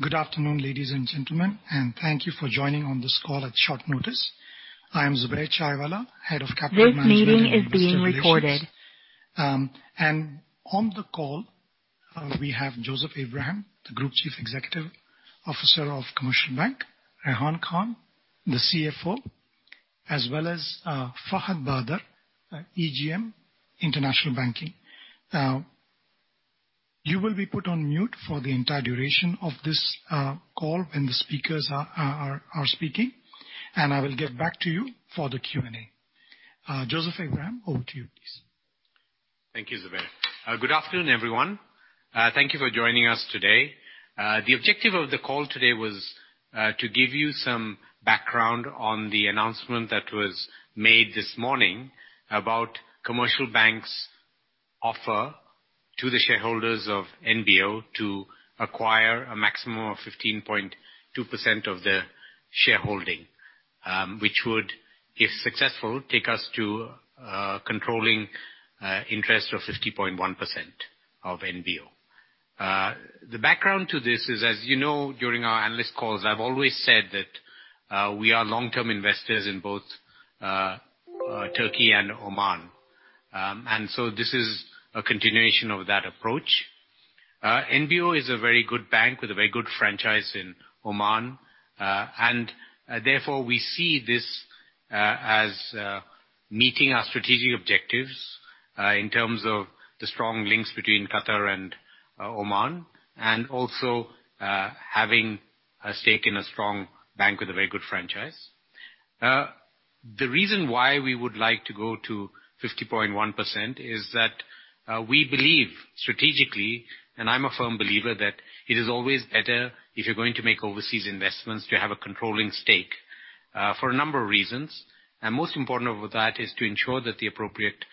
Good afternoon, ladies and gentlemen, thank you for joining on this call at short notice. I am Zubair M Chaiwalla, Head of Capital Management and Investor Relations. This meeting is being recorded. On the call, we have Joseph Abraham, the Group Chief Executive Officer of The Commercial Bank, Rehan Khan, the CFO, as well as Fahad Badar, EGM, International Banking. You will be put on mute for the entire duration of this call when the speakers are speaking. I will get back to you for the Q&A. Joseph Abraham, over to you, please. Thank you, Zubair. Good afternoon, everyone. Thank you for joining us today. The objective of the call today was to give you some background on the announcement that was made this morning about The Commercial Bank's offer to the shareholders of NBO to acquire a maximum of 15.2% of the shareholding, which would, if successful, take us to a controlling interest of 50.1% of NBO. The background to this is, as you know, during our analyst calls, I've always said that we are long-term investors in both Turkey and Oman. This is a continuation of that approach. NBO is a very good bank with a very good franchise in Oman. Therefore, we see this as meeting our strategic objectives in terms of the strong links between Qatar and Oman, and also having a stake in a strong bank with a very good franchise. The reason why we would like to go to 50.1% is that we believe strategically, and I'm a firm believer, that it is always better if you're going to make overseas investments, to have a controlling stake for a number of reasons. Most important over that is to ensure that the appropriate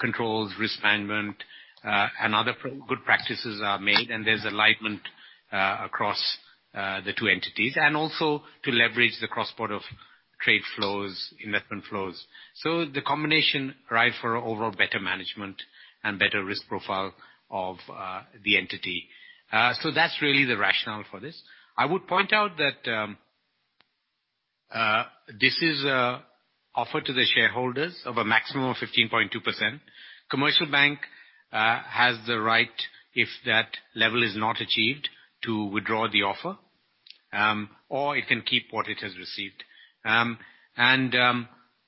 controls, risk management, and other good practices are made, and there's alignment across the two entities. Also to leverage the cross-border trade flows, investment flows. The combination ripe for overall better management and better risk profile of the entity. That's really the rationale for this. I would point out that this is an offer to the shareholders of a maximum of 15.2%. The Commercial Bank has the right, if that level is not achieved, to withdraw the offer, or it can keep what it has received.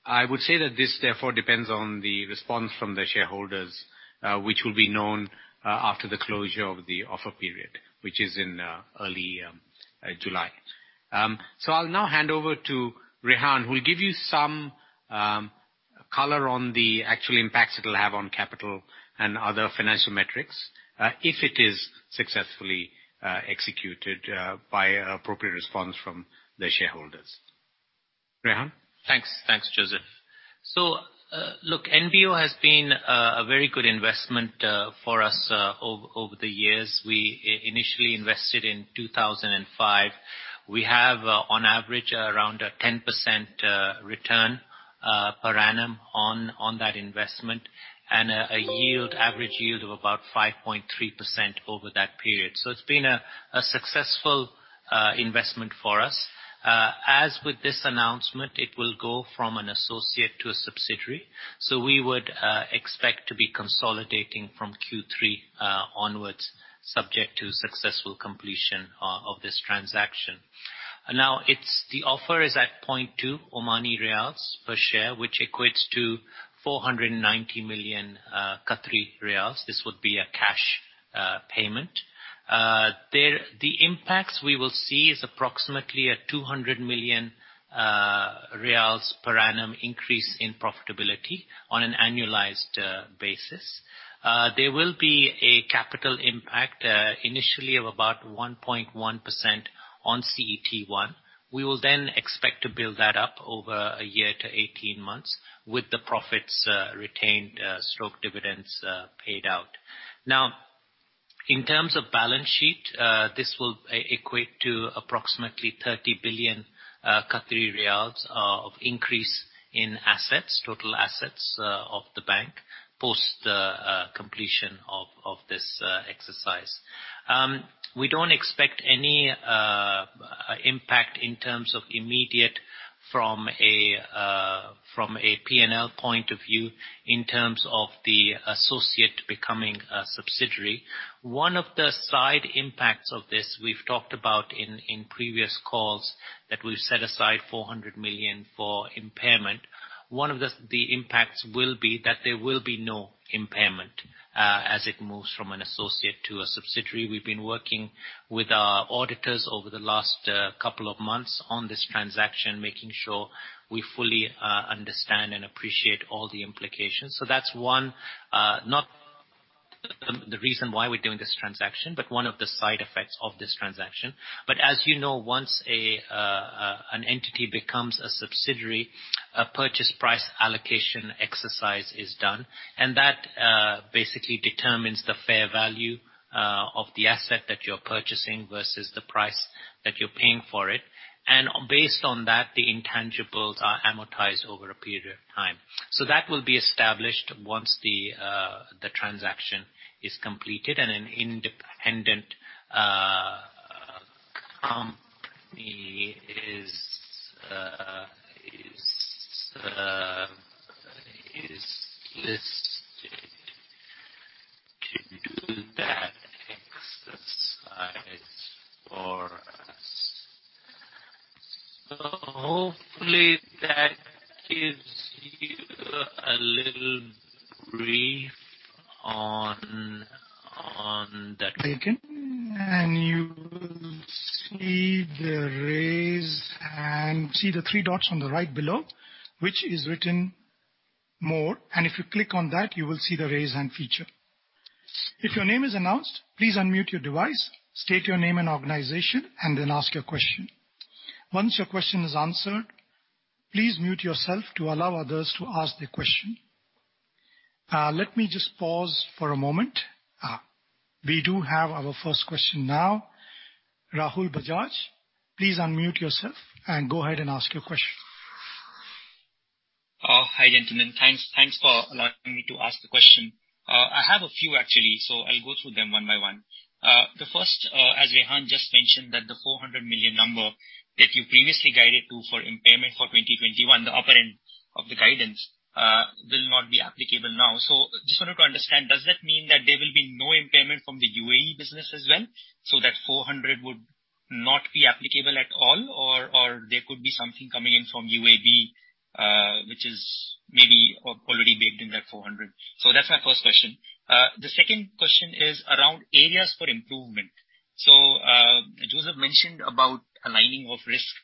I would say that this therefore depends on the response from the shareholders, which will be known after the closure of the offer period, which is in early July. I'll now hand over to Rehan, who will give you some color on the actual impacts it'll have on capital and other financial metrics, if it is successfully executed by appropriate response from the shareholders. Rehan? Thanks, Joseph. Look, NBO has been a very good investment for us over the years. We initially invested in 2005. We have on average around a 10% return per annum on that investment and an average yield of about 5.3% over that period. It's been a successful investment for us. As with this announcement, it will go from an associate to a subsidiary. We would expect to be consolidating from Q3 onwards, subject to successful completion of this transaction. The offer is at OMR 0.2 per share, which equates to 490 million Qatari riyals. This would be a cash payment. The impacts we will see is approximately a 200 million riyals per annum increase in profitability on an annualized basis. There will be a capital impact, initially of about 1.1% on CET1. We will expect to build that up over a year to 18 months with the profits retained/dividends paid out. In terms of balance sheet, this will equate to approximately 30 billion Qatari riyals of increase in assets, total assets of the bank, post the completion of this exercise. We don't expect any impact in terms of immediate from a P&L point of view in terms of the associate becoming a subsidiary. One of the side impacts of this, we've talked about in previous calls, that we've set aside 400 million for impairment. One of the impacts will be that there will be no impairment, as it moves from an associate to a subsidiary. We've been working with our auditors over the last couple of months on this transaction, making sure we fully understand and appreciate all the implications. That's one, not the reason why we're doing this transaction, but one of the side effects of this transaction. As you know, once an entity becomes a subsidiary, a purchase price allocation exercise is done. That basically determines the fair value of the asset that you're purchasing versus the price that you're paying for it. Based on that, the intangibles are amortized over a period of time. That will be established once the transaction is completed and an independent is listed to do that exercise for us. Hopefully that gives you a little brief on that. Take it, you will see the raise and see the three dots on the right below, which is written more. If you click on that, you will see the raise hand feature. If your name is announced, please unmute your device, state your name and organization, and ask your question. Once your question is answered, please mute yourself to allow others to ask their question. Let me just pause for a moment. We do have our first question now. Rahul Bajaj, please unmute yourself and go ahead and ask your question. Hi, gentlemen. Thanks for allowing me to ask the question. I have a few actually, so I'll go through them one by one. The first, as Rehan just mentioned, that the 400 million number that you previously guided to for impairment for 2021, the upper end of the guidance, will not be applicable now. Just wanted to understand, does that mean that there will be no impairment from the U.A.E. business as well, so that 400 would not be applicable at all? Or there could be something coming in from UAB, which is maybe already baked in that 400? That's my first question. The second question is around areas for improvement. Joseph mentioned about aligning of risk,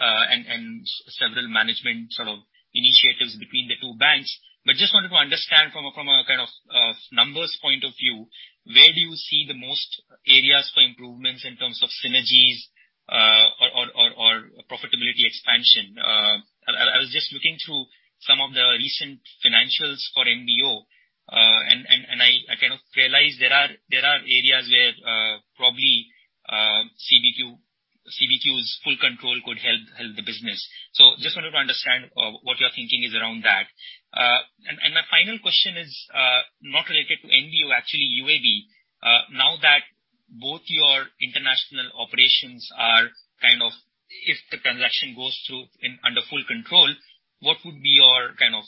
and several management sort of initiatives between the two banks. Just wanted to understand from a kind of numbers point of view, where do you see the most areas for improvements in terms of synergies or profitability expansion? I was just looking through some of the recent financials for NBO and I kind of realized there are areas where, probably CBQ's full control could help the business. Just wanted to understand what your thinking is around that. My final question is not related to NBO, actually UAB. Now that both your international operations are kind of, if the transaction goes through under full control, what would be your kind of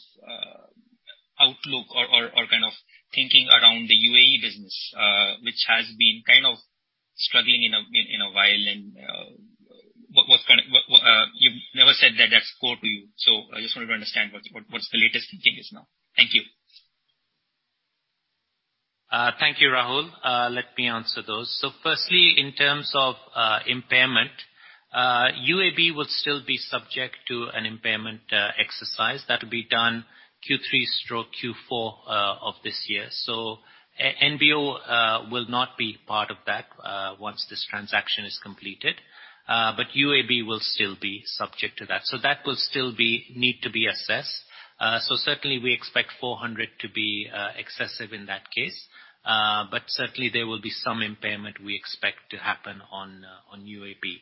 outlook or kind of thinking around the U.A.E. business, which has been kind of struggling in a while and you've never said that that's core to you, so I just wanted to understand what the latest thinking is now. Thank you. Thank you, Rahul. Let me answer those. Firstly, in terms of impairment, UAB will still be subject to an impairment exercise that will be done Q3 stroke Q4 of this year. NBO will not be part of that once this transaction is completed. UAB will still be subject to that. That will still need to be assessed. Certainly, we expect 400 to be excessive in that case. Certainly, there will be some impairment we expect to happen on UAB.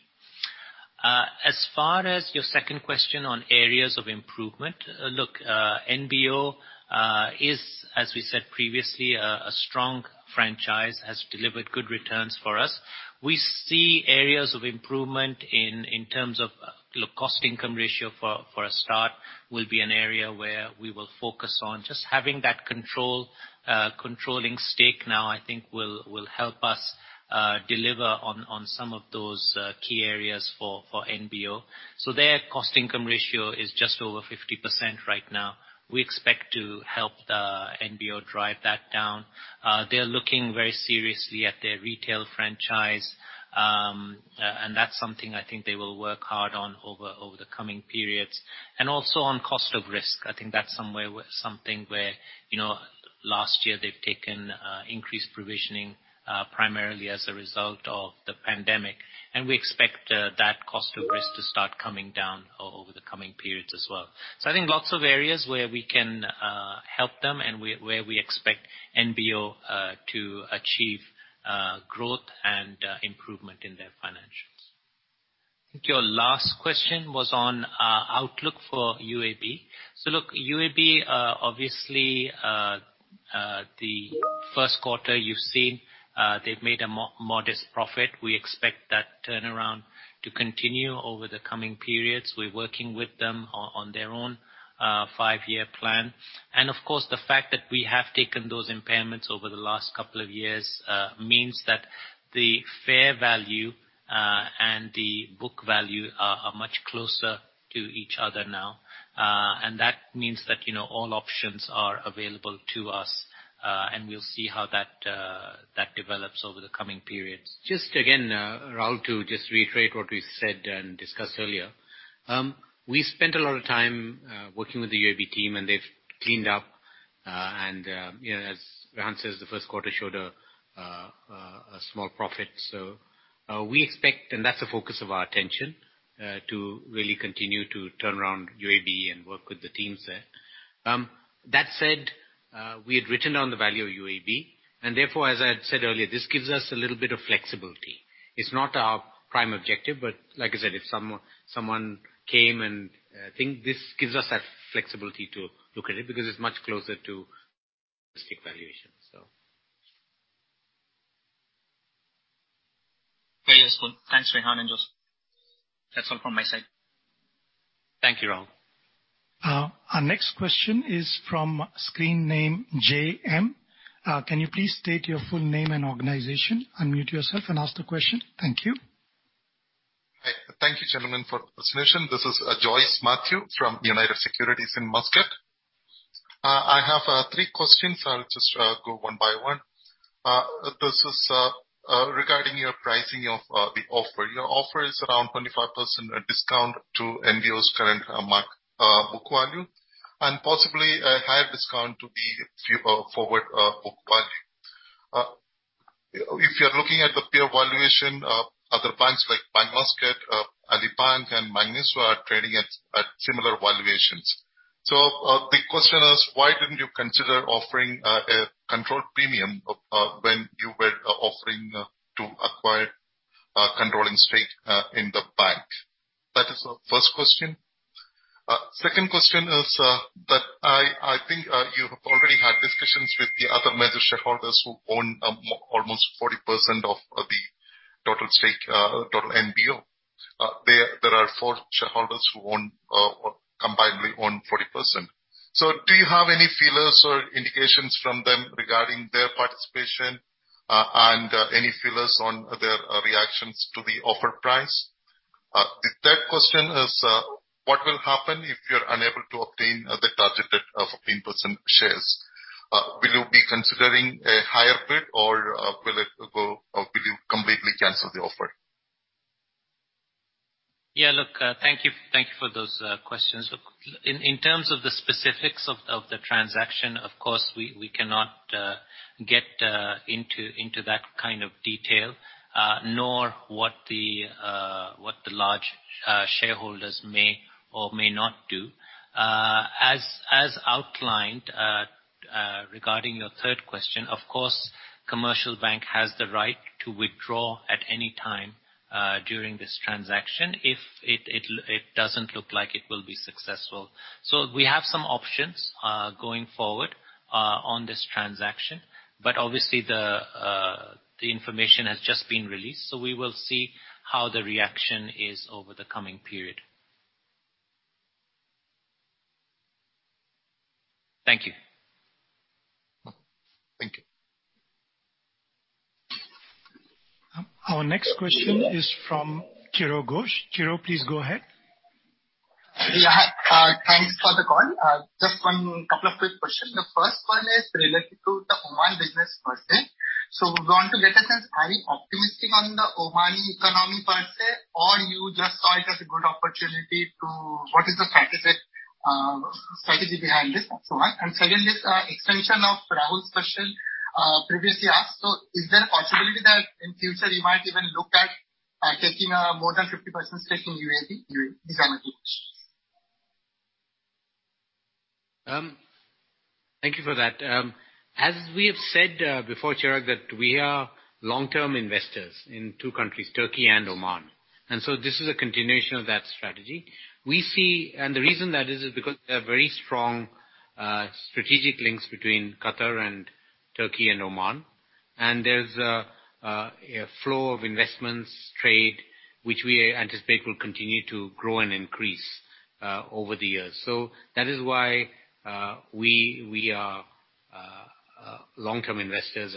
As far as your second question on areas of improvement. Look, NBO is, as we said previously, a strong franchise, has delivered good returns for us. We see areas of improvement in terms of low cost income ratio for a start, will be an area where we will focus on just having that controlling stake now, I think will help us deliver on some of those key areas for NBO. Their cost income ratio is just over 50% right now. We expect to help the NBO drive that down. They're looking very seriously at their retail franchise, and that's something I think they will work hard on over the coming periods. Also on cost of risk. I think that's something where last year they've taken increased provisioning, primarily as a result of the pandemic. We expect that cost of risk to start coming down over the coming periods as well. I think lots of areas where we can help them and where we expect NBO to achieve growth and improvement in their financials. I think your last question was on outlook for UAB. UAB, obviously, the first quarter you've seen, they've made a modest profit. We expect that turnaround to continue over the coming periods. We're working with them on their own five-year plan. Of course, the fact that we have taken those impairments over the last couple of years, means that the fair value, and the book value are much closer to each other now. That means that all options are available to us. We'll see how that develops over the coming periods. Just again, Rahul, to just reiterate what we said and discussed earlier. We spent a lot of time working with the UAB team, they've cleaned up. As Rehan says, the first quarter showed a small profit. We expect, and that's the focus of our attention, to really continue to turn around UAB and work with the teams there. That said, we had written down the value of UAB, therefore, as I had said earlier, this gives us a little bit of flexibility. It's not our prime objective, but like I said, if someone came and think this gives us that flexibility to look at it because it's much closer to stock valuation. Very useful. Thanks, Rehan and Joseph. That's all from my side. Thank you, Rahul. Our next question is from screen name JM. Can you please state your full name and organization, unmute yourself and ask the question. Thank you. Hi. Thank you, gentlemen, for the presentation. This is Joice Mathew from United Securities in Muscat. I have three questions. I'll just go one by one. This is regarding your pricing of the offer. Your offer is around 25% discount to NBO's current book value and possibly a higher discount to the forward book value. If you're looking at the peer valuation, other banks like Bank Muscat, Ahli Bank and Magnus are trading at similar valuations. The question is, why didn't you consider offering a control premium when you were offering to acquire a controlling stake in the bank? That is the first question. Second question is that I think you have already had discussions with the other major shareholders who own almost 40% of the total NBO stake. There are four shareholders who combined own 40%. Do you have any feelers or indications from them regarding their participation, and any feelers on their reactions to the offer price? The third question is, what will happen if you're unable to obtain the targeted 15% shares? Will you be considering a higher bid or will you completely cancel the offer? Yeah. Thank you for those questions. In terms of the specifics of the transaction, of course, we cannot get into that kind of detail, nor what the large shareholders may or may not do. As outlined regarding your third question, of course, The Commercial Bank has the right to withdraw at any time during this transaction if it doesn't look like it will be successful. We have some options going forward on this transaction, but obviously the information has just been released, we will see how the reaction is over the coming period. Thank you. Thank you. Our next question is from Chirag Ghosh. Chirag, please go ahead. Thanks for the call. Just one couple of quick questions. The first one is related to the Oman business per se. We want to get a sense, are you optimistic on the Omani economy per se? Or you just saw it as a good opportunity too? What is the strategy behind this so much? Secondly, extension of Rahul's question previously asked. Is there a possibility that in future you might even look at taking a more than 50% stake in UAB? These are my two questions. Thank you for that. As we have said before, Chirag, that we are long-term investors in two countries, Turkey and Oman. This is a continuation of that strategy. The reason that is is because there are very strong strategic links between Qatar and Turkey and Oman. There's a flow of investments, trade, which we anticipate will continue to grow and increase over the years. That is why we are long-term investors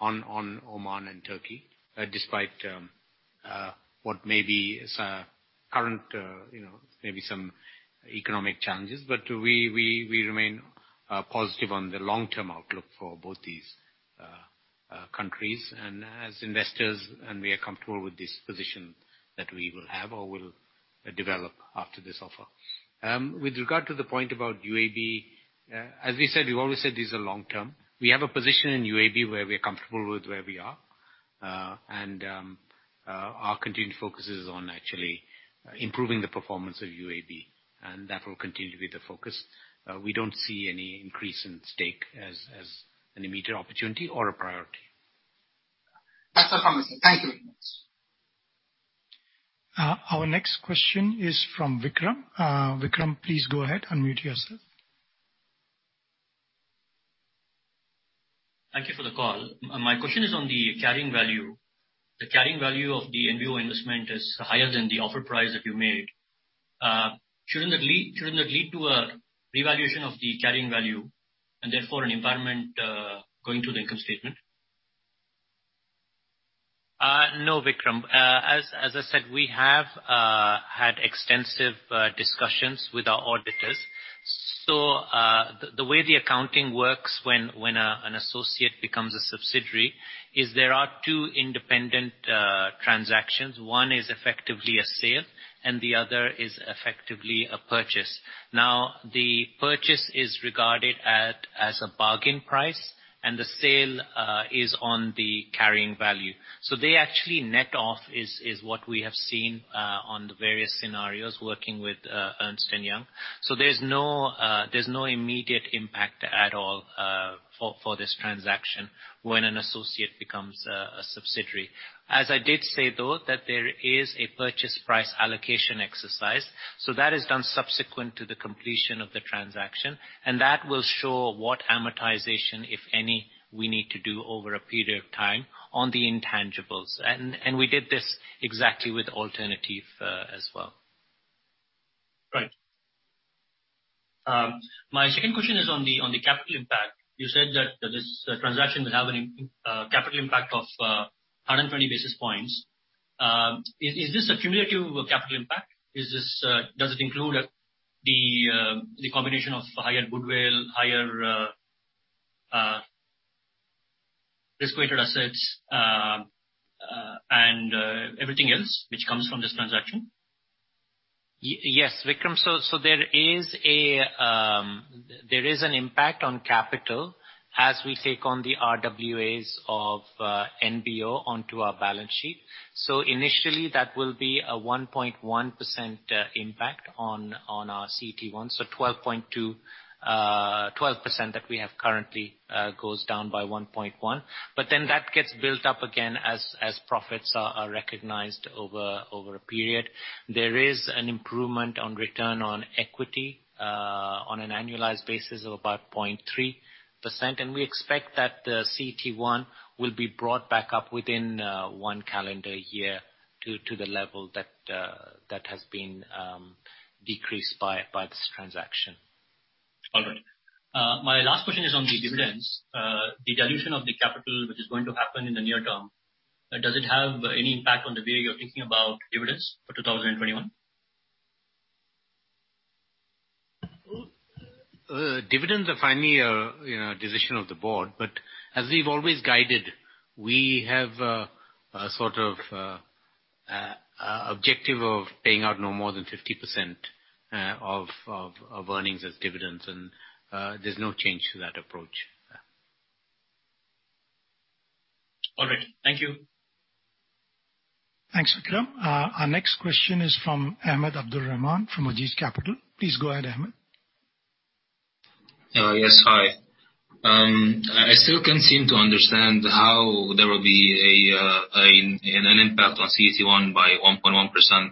on Oman and Turkey, despite what may be some current economic challenges. We remain positive on the long-term outlook for both these countries, and as investors, and we are comfortable with this position that we will have or will develop after this offer. With regard to the point about UAB, as we've always said, this is a long-term. We have a position in UAB where we are comfortable with where we are. Our continued focus is on actually improving the performance of UAB, and that will continue to be the focus. We don't see any increase in stake as an immediate opportunity or a priority. That's promising. Thank you very much. Our next question is from Vikram. Vikram, please go ahead, unmute yourself. Thank you for the call. My question is on the carrying value. The carrying value of the NBO investment is higher than the offer price that you made. Shouldn't that lead to a revaluation of the carrying value and therefore an impairment going to the income statement? No, Vikram. As I said, we have had extensive discussions with our auditors. The way the accounting works when an associate becomes a subsidiary is there are two independent transactions. One is effectively a sale and the other is effectively a purchase. The purchase is regarded as a bargain price and the sale is on the carrying value. They actually net off, is what we have seen on the various scenarios working with Ernst & Young. There's no immediate impact at all for this transaction when an associate becomes a subsidiary. As I did say, though, that there is a purchase price allocation exercise. That is done subsequent to the completion of the transaction, and that will show what amortization, if any, we need to do over a period of time on the intangibles. We did this exactly with Alternatif as well. Right. My second question is on the capital impact. You said that this transaction will have a capital impact of 120 basis points. Is this a cumulative capital impact? Does it include the combination of higher goodwill, higher risk-weighted assets, and everything else which comes from this transaction? Yes, Vikram. There is an impact on capital as we take on the RWAs of NBO onto our balance sheet. Initially, that will be a 1.1% impact on our CET1, 12% that we have currently goes down by 1.1%. That gets built up again as profits are recognized over a period. There is an improvement on return on equity on an annualized basis of about 0.3%, we expect that the CET1 will be brought back up within one calendar year to the level that has been decreased by this transaction. All right. My last question is on the dividends. The dilution of the capital, which is going to happen in the near term, does it have any impact on the way you're thinking about dividends for 2021? Dividends are finally a decision of the board, but as we've always guided, we have a sort of objective of paying out no more than 50% of earnings as dividends, there's no change to that approach. All right. Thank you. Thanks, Vikram. Our next question is from Ahmed Abdel-Rahman, from Ajeej Capital. Please go ahead, Ahmed. Yes, hi. I still can't seem to understand how there will be an impact on CET1 by 1.1%,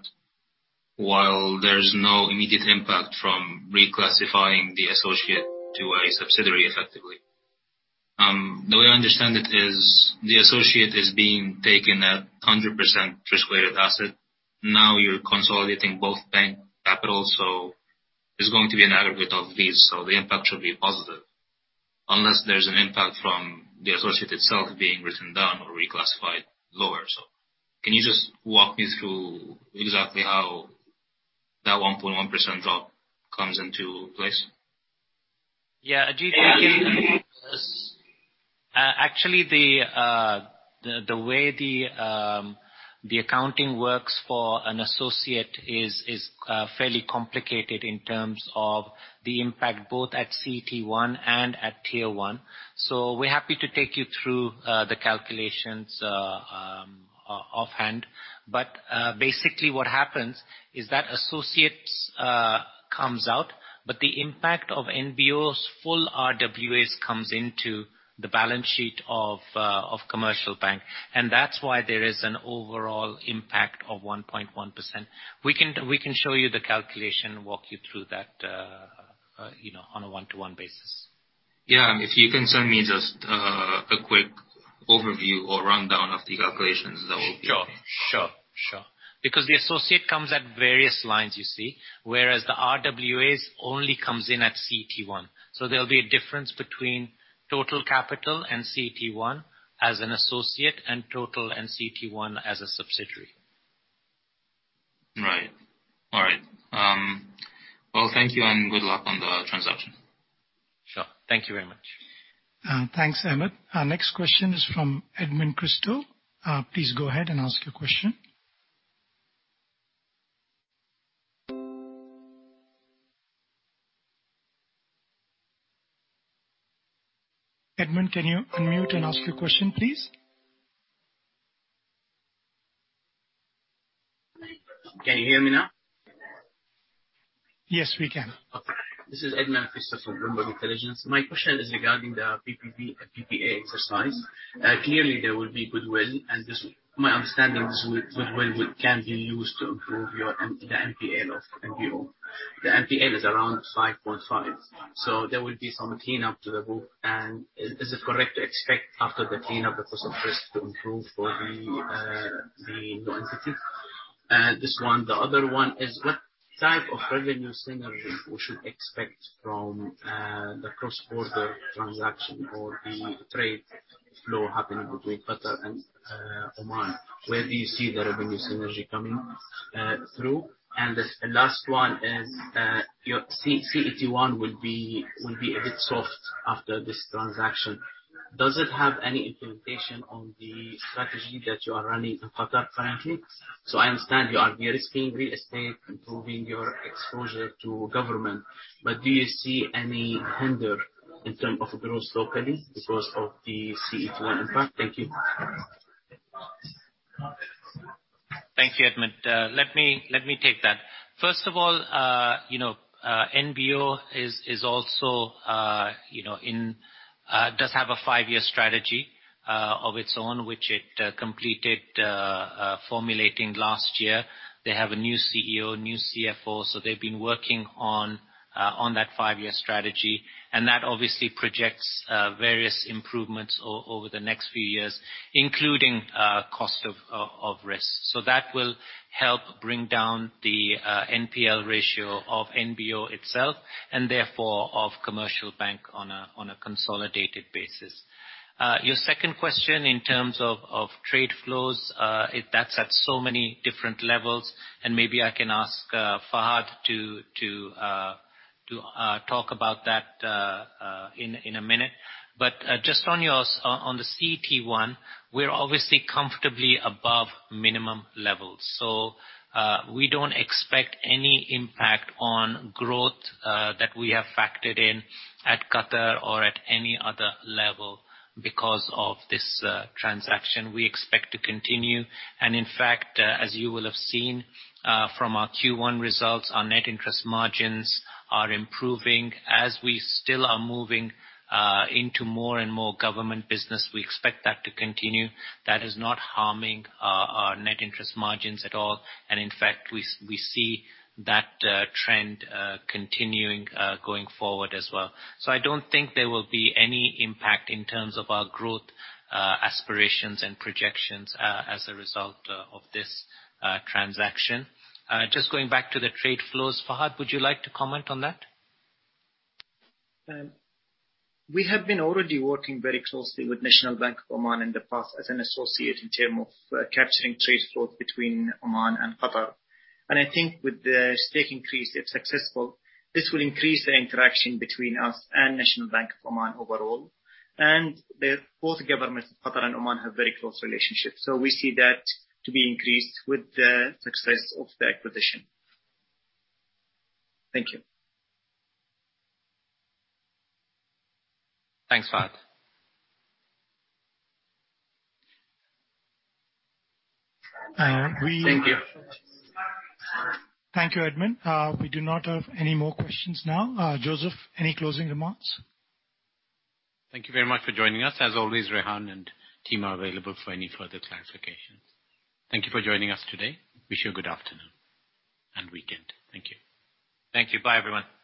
while there's no immediate impact from reclassifying the associate to a subsidiary effectively. The way I understand it is the associate is being taken at 100% risk-weighted asset. You're consolidating both bank capital, it's going to be an aggregate of these, the impact should be positive, unless there's an impact from the associate itself being written down or reclassified lower. Can you just walk me through exactly how that 1.1% drop comes into place? Yeah, Ajeej. Actually, the way the accounting works for an associate is fairly complicated in terms of the impact both at CET1 and at Tier 1. We're happy to take you through the calculations offhand. Basically what happens is that associates comes out, but the impact of NBO's full RWAs comes into the balance sheet of The Commercial Bank. That's why there is an overall impact of 1.1%. We can show you the calculation, walk you through that on a one-to-one basis. Yeah. If you can send me just a quick overview or rundown of the calculations, that would be okay. Sure. Because the associate comes at various lines, you see, whereas the RWAs only comes in at CET1. There'll be a difference between total capital and CET1 as an associate and total and CET1 as a subsidiary. Right. All right. Well, thank you, and good luck on the transaction. Sure. Thank you very much. Thanks, Ahmed. Our next question is from Edmund Kristo. Please go ahead and ask your question. Edmund, can you unmute and ask your question, please? Can you hear me now? Yes, we can. Okay. This is Edmund Kristo from Bloomberg Intelligence. My question is regarding the PPA exercise. Clearly, there will be goodwill, and my understanding is goodwill can be used to improve the NPL of NBO. The NPL is around 5.5%. There will be some cleanup to the book. Is it correct to expect after the cleanup the cost of risk to improve for the new entity? This one. The other one is what type of revenue synergy we should expect from the cross-border transaction or the trade flow happening between Qatar and Oman? Where do you see the revenue synergy coming through? The last one is, your CET1 will be a bit soft after this transaction. Does it have any implication on the strategy that you are running in Qatar currently? I understand you are de-risking real estate, improving your exposure to government. Do you see any hinder in term of growth locally because of the CET1 impact? Thank you. Thank you, Edmund. Let me take that. First of all, NBO is also in It does have a five-year strategy of its own, which it completed formulating last year. They have a new CEO, new CFO. They've been working on that five-year strategy, and that obviously projects various improvements over the next few years, including cost of risk. That will help bring down the NPL ratio of NBO itself, and therefore of Commercial Bank on a consolidated basis. Your second question, in terms of trade flows, that's at so many different levels, and maybe I can ask Fahad to talk about that in a minute. Just on the CET1, we're obviously comfortably above minimum levels. We don't expect any impact on growth that we have factored in at Qatar or at any other level because of this transaction. We expect to continue, in fact, as you will have seen from our Q1 results, our net interest margins are improving as we still are moving into more and more government business. We expect that to continue. That is not harming our net interest margins at all. In fact, we see that trend continuing going forward as well. I don't think there will be any impact in terms of our growth aspirations and projections as a result of this transaction. Just going back to the trade flows, Fahad, would you like to comment on that? We have been already working very closely with National Bank of Oman in the past as an associate in terms of capturing trade flow between Oman and Qatar. I think with the stake increase, if successful, this will increase the interaction between us and National Bank of Oman overall. Both governments of Qatar and Oman have very close relationships. We see that to be increased with the success of the acquisition. Thank you. Thanks, Fahad. Thank you. Thank you, Edmund. We do not have any more questions now. Joseph, any closing remarks? Thank you very much for joining us. As always, Rehan and team are available for any further clarifications. Thank you for joining us today. Wish you a good afternoon and weekend. Thank you. Thank you. Bye, everyone. Thank you.